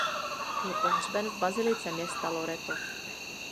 Je pohřben v bazilice města Loreto.